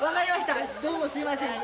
どうもすいません。